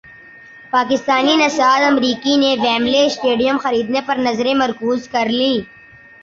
پاکستانی نژاد امریکی نے ویمبلے اسٹیڈیم خریدنے پر نظریں مرکوز کر لیں